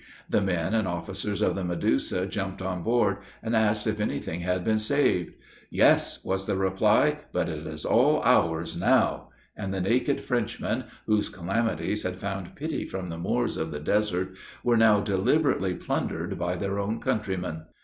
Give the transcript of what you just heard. The men and officers of the Medusa jumped on board, and asked if any thing had been saved. "Yes," was the reply, "but it is all ours now;" and the naked Frenchmen, whose calamities had found pity from the Moors of the desert, were now deliberately plundered by their own countrymen.